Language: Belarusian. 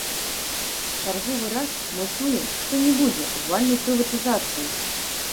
Чарговы раз мы чуем што не будзе абвальнай прыватызацыі.